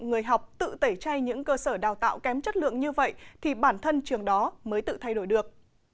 người học tự tẩy chay những cơ sở đào tạo kém chất lượng như vậy thì bản thân trường đó mới tự thay đổi được